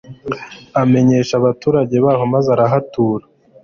amenesha abaturage b'aho maze arahatura